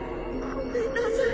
ごめんなさい。